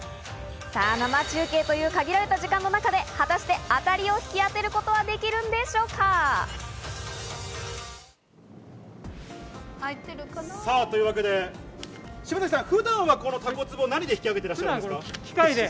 生中継という限られた時間の中で、果たして当たりを引き当てることはできるんでしょうか？というわけで、柴崎さん、普段はタコツボは何で引き揚げてるんですか？